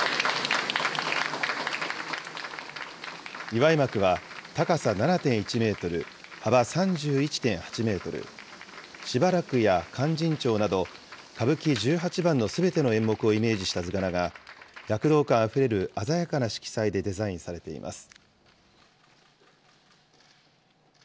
祝幕は高さ７．１メートル、幅３１．８メートル、暫や勧進帳など、歌舞伎十八番すべての演目をイメージした図柄が、躍動感あふれる鮮やかな色彩でデザインされています。